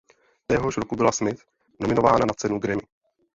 Téhož roku byla Smith nominována na Cenu Grammy.